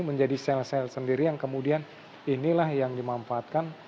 menjadi sel sel sendiri yang kemudian inilah yang dimanfaatkan